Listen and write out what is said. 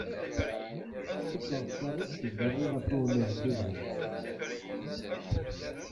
Cukkeɣ d ta i d ssebba iɣef ur wen-εǧibeɣ ara.